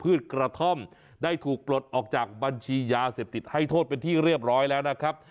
กระท่อมได้ถูกปลดออกจากบัญชียาเสพติดให้โทษเป็นที่เรียบร้อยแล้วนะครับ